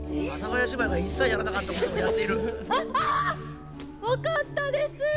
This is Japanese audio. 「わかったです」